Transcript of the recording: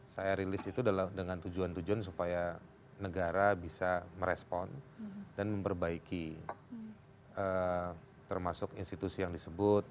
saya rilis itu dengan tujuan tujuan supaya negara bisa merespon dan memperbaiki termasuk institusi yang disebut